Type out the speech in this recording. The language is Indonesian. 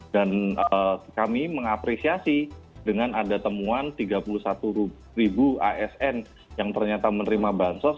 dan kami mengapresiasi dengan ada temuan tiga puluh satu ribu asn yang ternyata menerima bansos